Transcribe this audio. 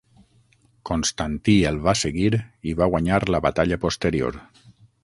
Constantí el va seguir i va guanyar la batalla posterior.